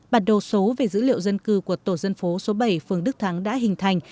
bản đồ số về dữ liệu dân cư của tổ dân phố số bảy phường đức thắng đã hình thành